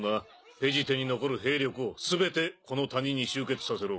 ペジテに残る兵力を全てこの谷に集結させろ。